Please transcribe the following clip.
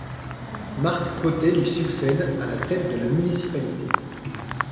Marc Pautet lui succède à la tête de la municipalité.